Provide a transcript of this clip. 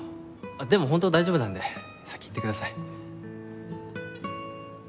でも本当大丈夫なので先行ってください。